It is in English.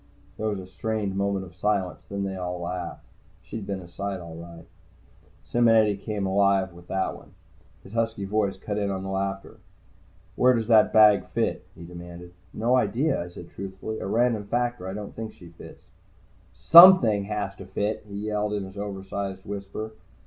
There was a strained moment of silence, and then they all laughed. She'd been a sight, all right. Simonetti came back alive with that one. His husky voice cut in on the laughter. "Where does that bag fit?" he demanded. "No idea," I said truthfully. "A random factor. I don't think she fits." "Something has to fit!" he yelled in his oversized whisper.